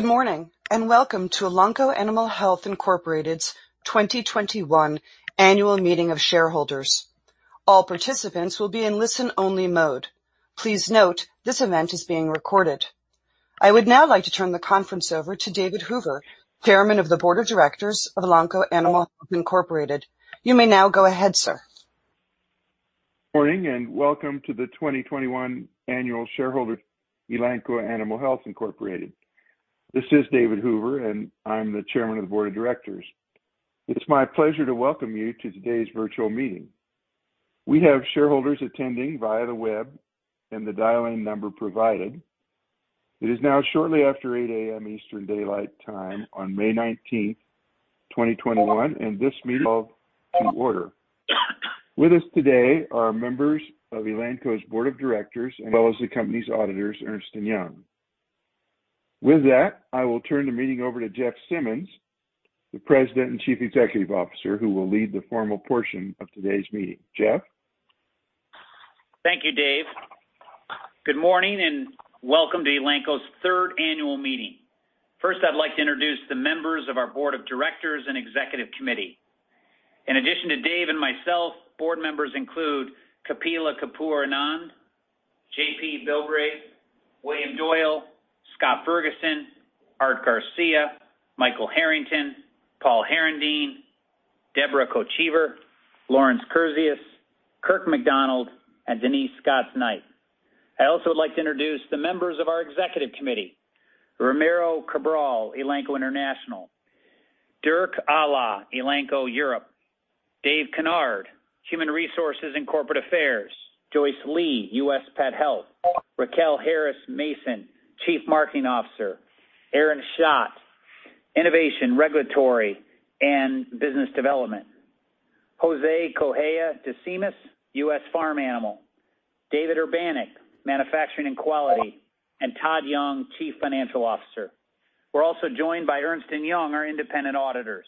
Good morning, and welcome to Elanco Animal Health Incorporated's 2021 Annual Meeting of Shareholders. All participants will be in listen-only mode. Please note, this event is being recorded. I would now like to turn the conference over to David Hoover, Chairman of the Board of Directors of Elanco Animal Health Incorporated. You may now go ahead, sir. Morning, welcome to the 2021 annual shareholders' of Elanco Animal Health Incorporated. This is David Hoover, and I'm the Chairman of the Board of Directors. It's my pleasure to welcome you to today's virtual meeting. We have shareholders attending via the web and the dial-in number provided. It is now shortly after 8:00 A.M. Eastern Daylight Time on May 19th, 2021, and this meeting is called to order. With us today are members of Elanco's board of directors as well as the company's auditors, Ernst & Young. With that, I will turn the meeting over to Jeff Simmons, the President and Chief Executive Officer, who will lead the formal portion of today's meeting. Jeff? Thank you, Dave. Good morning, and welcome to Elanco's third annual meeting. First, I'd like to introduce the members of our board of directors and executive committee. In addition to Dave and myself, board members include Kapila Kapur Anand, John P. Bilbrey, William Doyle, Scott Ferguson, Art Garcia, Michael Harrington, Paul Herendeen, Deborah Kochevar, Lawrence Kurzius, Kirk McDonald, and Denise Scots-Knight. I'd also like to introduce the members of our executive committee. Ramiro Cabral, Elanco International. Dirk Ehle, Elanco Europe. Dave Kinard, Human Resources and Corporate Affairs. Joyce Lee, U.S. Pet Health. Racquel Harris Mason, Chief Marketing Officer. Aaron Schacht, Innovation, Regulatory, and Business Development. José Manuel Correia de Simas, U.S. Farm Animal. David Urbanek, Manufacturing and Quality, and Todd Young, Chief Financial Officer. We're also joined by Ernst & Young, our independent auditors.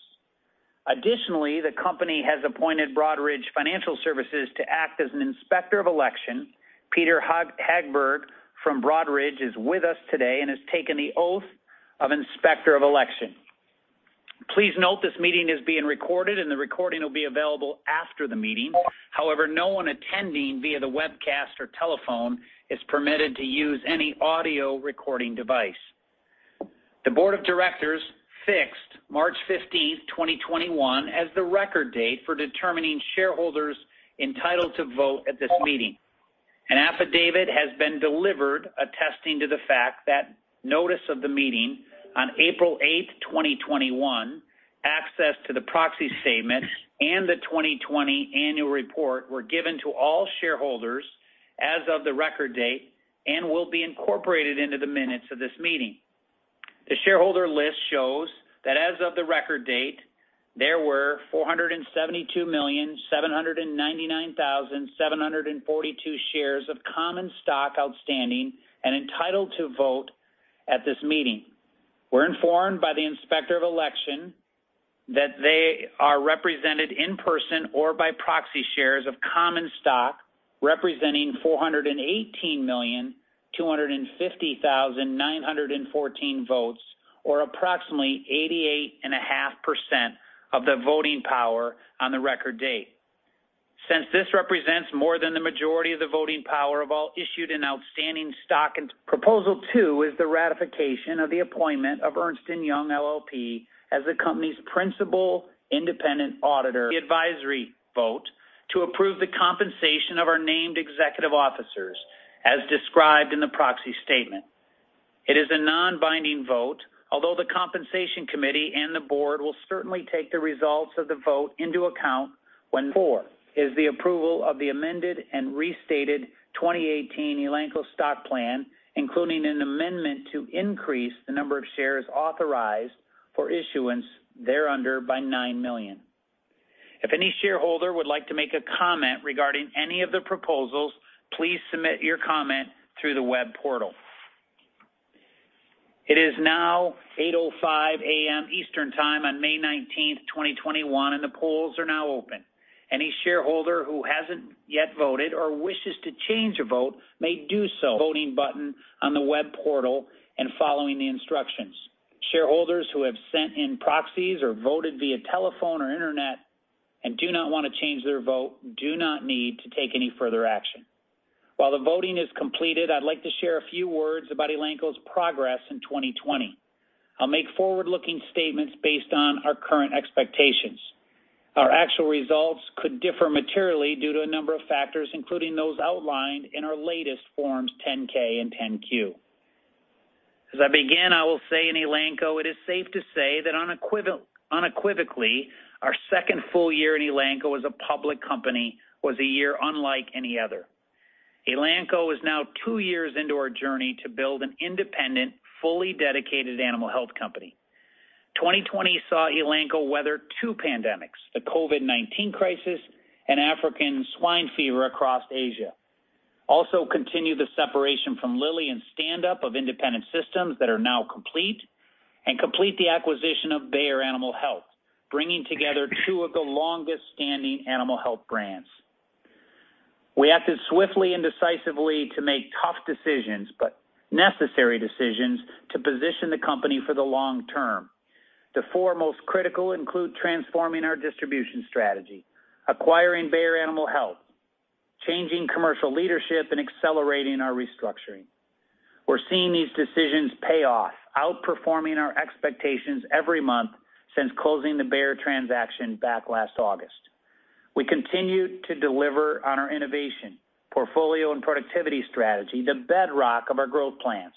Additionally, the company has appointed Broadridge Financial Solutions to act as an Inspector of Election. Peter Hagberg from Broadridge is with us today and has taken the oath of Inspector of Election. Please note this meeting is being recorded, and the recording will be available after the meeting. However, no one attending via the webcast or telephone is permitted to use any audio recording device. The board of directors fixed March 15th, 2021, as the record date for determining shareholders entitled to vote at this meeting. An affidavit has been delivered attesting to the fact that notice of the meeting on April 8th, 2021, access to the proxy statement, and the 2020 annual report were given to all shareholders as of the record date and will be incorporated into the minutes of this meeting. The shareholder list shows that as of the record date, there were 472,799,742 shares of common stock outstanding and entitled to vote at this meeting. We're informed by the Inspector of Election that they are represented in person or by proxy shares of common stock representing 418,250,914 votes, or approximately 88.5% of the voting power on the record date. Since this represents more than the majority of the voting power of all issued and outstanding stock, Proposal 2 is the ratification of the appointment of Ernst & Young LLP as the company's principal independent auditor. The advisory vote to approve the compensation of our named executive officers, as described in the proxy statement. It is a non-binding vote, although the compensation committee and the board will certainly take the results of the vote into account. Four is the approval of the amended and restated 2018 Elanco Stock Plan, including an amendment to increase the number of shares authorized for issuance thereunder by nine million. If any shareholder would like to make a comment regarding any of the proposals, please submit your comment through the web portal. It is now 8:05 A.M. Eastern Time on May 19th, 2021, and the polls are now open. Any shareholder who hasn't yet voted or wishes to change a vote may do so. Voting button on the web portal and following the instructions. Shareholders who have sent in proxies or voted via telephone or internet and do not want to change their vote do not need to take any further action. While the voting is completed, I'd like to share a few words about Elanco's progress in 2020. I'll make forward-looking statements based on our current expectations. Our actual results could differ materially due to a number of factors, including those outlined in our latest Forms 10-K and 10-Q. As I began, I will say in Elanco, it is safe to say that unequivocally, our second full year at Elanco as a public company was a year unlike any other. Elanco is now two years into our journey to build an independent, fully dedicated animal health company. 2020 saw Elanco weather two pandemics, the COVID-19 crisis and African swine fever across Asia. Also continue the separation from Lilly and stand up of independent systems that are now complete and complete the acquisition of Bayer Animal Health, bringing together two of the longest-standing animal health brands. We acted swiftly and decisively to make tough decisions, but necessary decisions to position the company for the long term. The four most critical include transforming our distribution strategy, acquiring Bayer Animal Health, changing commercial leadership, and accelerating our restructuring. We're seeing these decisions pay off, outperforming our expectations every month since closing the Bayer transaction back last August. We continue to deliver on our innovation, portfolio, and productivity strategy, the bedrock of our growth plans.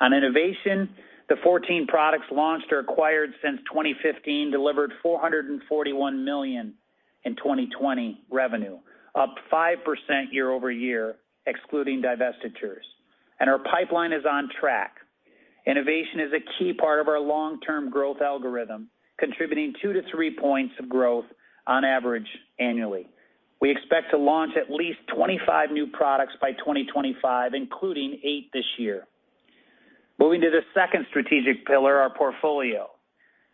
On innovation, the 14 products launched or acquired since 2015 delivered $441 million in 2020 revenue, up 5% year-over-year, excluding divestitures. Our pipeline is on track. Innovation is a key part of our long-term growth algorithm, contributing two-three points of growth on average annually. We expect to launch at least 25 new products by 2025, including eight this year. Moving to the second strategic pillar, our portfolio.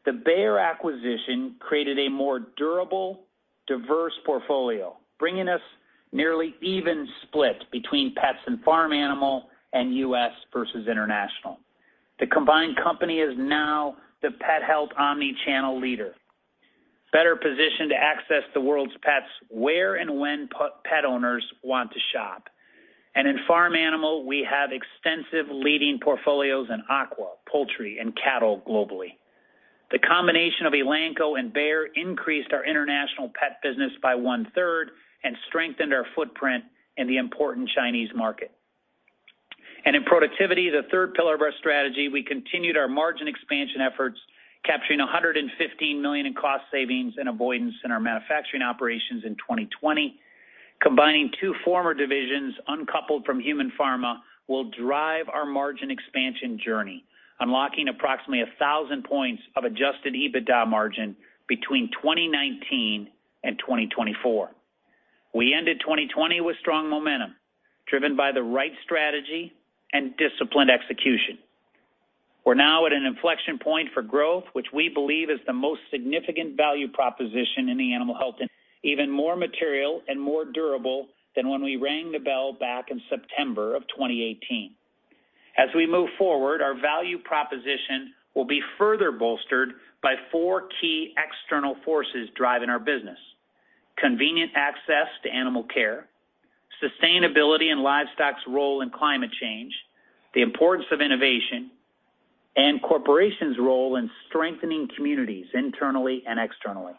The Bayer acquisition created a more durable, diverse portfolio, bringing us nearly even splits between pets and farm animal, and U.S. versus international. The combined company is now the pet health omni-channel leader, better positioned to access the world's pets where and when pet owners want to shop. In farm animal, we have extensive leading portfolios in aqua, poultry, and cattle globally. The combination of Elanco and Bayer increased our international pet business by 1/3 and strengthened our footprint in the important Chinese market. In productivity, the third pillar of our strategy, we continued our margin expansion efforts, capturing $115 million in cost savings and avoidance in our manufacturing operations in 2020. Combining two former divisions uncoupled from human pharma will drive our margin expansion journey, unlocking approximately 1,000 points of adjusted EBITDA margin between 2019 and 2024. We ended 2020 with strong momentum, driven by the right strategy and disciplined execution. We're now at an inflection point for growth, which we believe is the most significant value proposition in the animal health, even more material and more durable than when we rang the bell back in September of 2018. As we move forward, our value proposition will be further bolstered by four key external forces driving our business. Convenient access to animal care, sustainability and livestock's role in climate change, the importance of innovation, and corporations' role in strengthening communities internally and externally.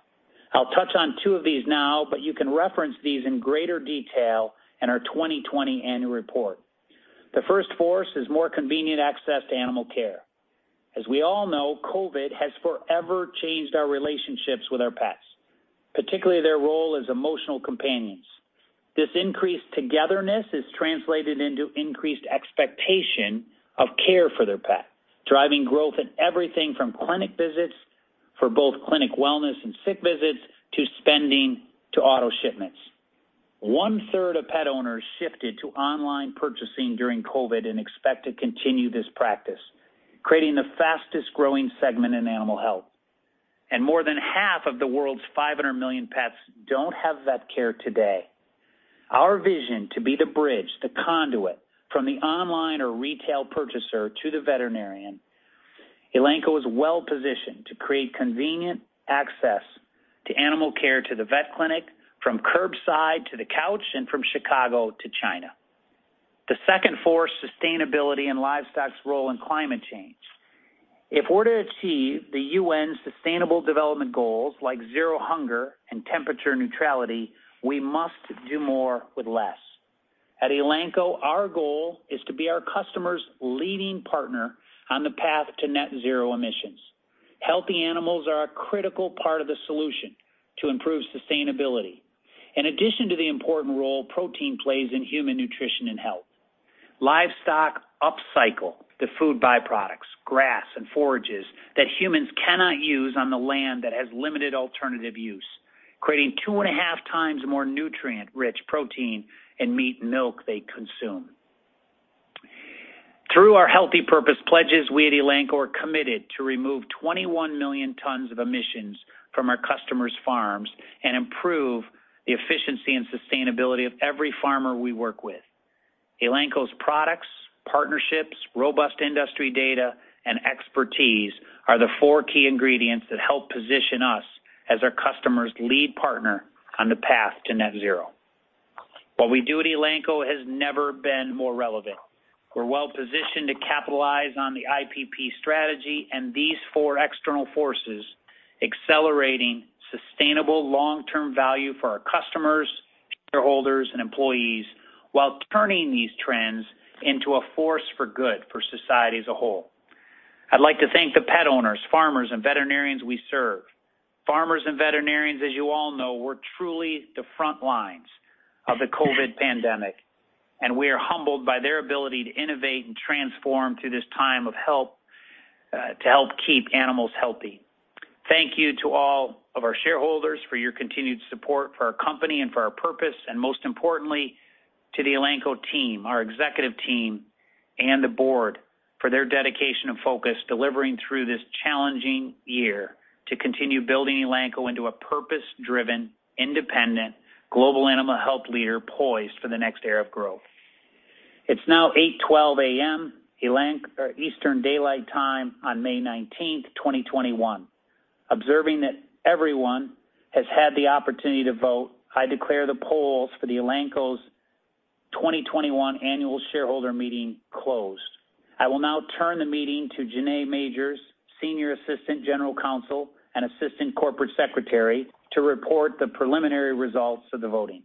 I'll touch on two of these now, but you can reference these in greater detail in our 2020 annual report. The first force is more convenient access to animal care. As we all know, COVID-19 has forever changed our relationships with our pets, particularly their role as emotional companions. This increased togetherness has translated into increased expectation of care for their pets, driving growth in everything from clinic visits for both clinic wellness and sick visits, to spending, to auto shipments. One-third of pet owners shifted to online purchasing during COVID and expect to continue this practice, creating the fastest-growing segment in animal health. More than half of the world's 500 million pets don't have vet care today. Our vision to be the bridge, the conduit from the online or retail purchaser to the veterinarian, Elanco is well-positioned to create convenient access to animal care to the vet clinic, from curbside to the couch, and from Chicago to China. The second force, sustainability and livestock's role in climate change. If we're to achieve the UN's Sustainable Development Goals like zero hunger and temperature neutrality, we must do more with less. At Elanco, our goal is to be our customers' leading partner on the path to net zero emissions. Healthy animals are a critical part of the solution to improve sustainability. In addition to the important role protein plays in human nutrition and health, livestock upcycle the food byproducts, grass, and forages that humans cannot use on the land that has limited alternative use, creating two and a half times more nutrient-rich protein in meat and milk they consume. Through our Healthy Purpose Pledges, we at Elanco are committed to remove 21 million tons of emissions from our customers' farms and improve the efficiency and sustainability of every farmer we work with. Elanco's products, partnerships, robust industry data, and expertise are the four key ingredients that help position us as our customers' lead partner on the path to net zero. What we do at Elanco has never been more relevant. We're well-positioned to capitalize on the IPP strategy and these four external forces, accelerating sustainable long-term value for our customers, shareholders, and employees while turning these trends into a force for good for society as a whole. I'd like to thank the pet owners, farmers, and veterinarians we serve. Farmers and veterinarians, as you all know, were truly the front lines of the COVID pandemic, and we are humbled by their ability to innovate and transform through this time of help to help keep animals healthy. Thank you to all of our shareholders for your continued support for our company and for our purpose, and most importantly, to the Elanco team, our executive team and the board for their dedication and focus delivering through this challenging year to continue building Elanco into a purpose-driven, independent global animal health leader poised for the next era of growth. It's now 8:12 A.M. Eastern Daylight Time on May 19th, 2021. Observing that everyone has had the opportunity to vote, I declare the polls for the Elanco's 2021 annual shareholder meeting closed. I will now turn the meeting to Jinee Majors, Senior Assistant General Counsel and Assistant Corporate Secretary, to report the preliminary results of the voting.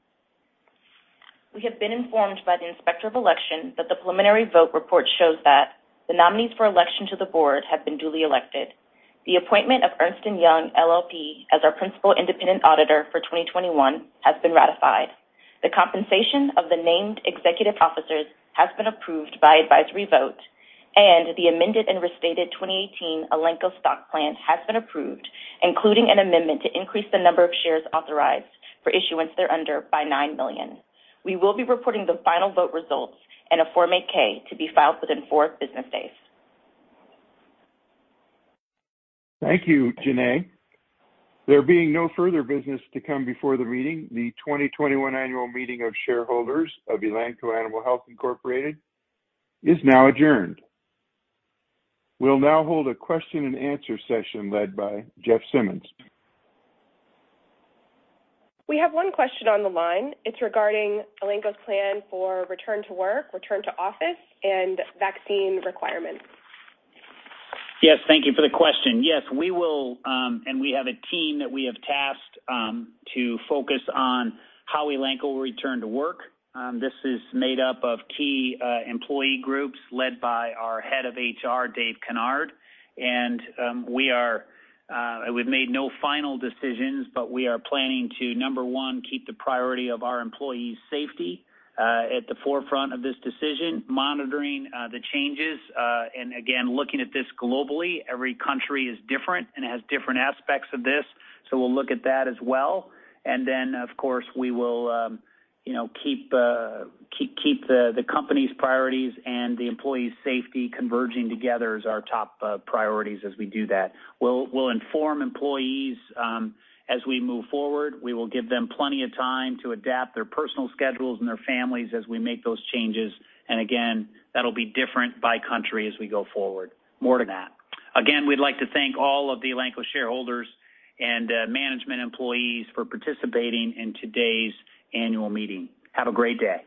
We have been informed by the Inspector of Election that the preliminary vote report shows that the nominees for election to the board have been duly elected. The appointment of Ernst & Young LLP as our principal independent auditor for 2021 has been ratified. The compensation of the named executive officers has been approved by advisory vote, and the amended and restated 2018 Elanco Stock Plan has been approved, including an amendment to increase the number of shares authorized for issuance thereunder by nine million. We will be reporting the final vote results in a Form 8-K to be filed within four business days. Thank you, Jinee. There being no further business to come before the meeting, the 2021 annual meeting of shareholders of Elanco Animal Health Incorporated is now adjourned. We'll now hold a question and answer session led by Jeff Simmons. We have one question on the line. It's regarding Elanco's plan for return to work, return to office, and vaccine requirements? Yes, thank you for the question. Yes, we will. We have a team that we have tasked to focus on how Elanco will return to work. This is made up of key employee groups led by our head of HR, Dave Kinard. We've made no final decisions, but we are planning to, number one, keep the priority of our employees' safety at the forefront of this decision, monitoring the changes. Again, looking at this globally, every country is different and has different aspects of this, so we'll look at that as well. Then, of course, we will keep the company's priorities and the employees' safety converging together as our top priorities as we do that. We'll inform employees as we move forward. We will give them plenty of time to adapt their personal schedules and their families as we make those changes. Again, that'll be different by country as we go forward. More to that. Again, we'd like to thank all of the Elanco shareholders and management employees for participating in today's annual meeting. Have a great day.